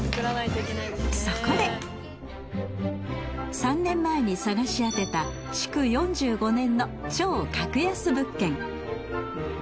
そこで３年前に探し当てた築４５年の超格安物件。